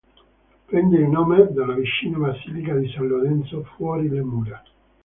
Prende il nome dalla vicina basilica di San Lorenzo fuori le mura.